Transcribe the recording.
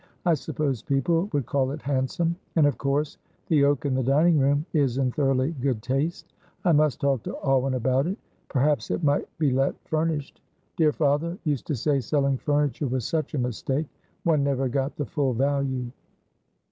I suppose people would call it handsome, and, of course, the oak in the dining room is in thoroughly good taste. I must talk to Alwyn about it; perhaps it might be let furnished. Dear father used to say selling furniture was such a mistake, one never got the full value."